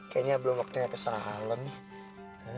kayaknya belum waktunya ke salon nih